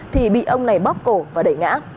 thì bị ông này bóp cổ và đẩy ngã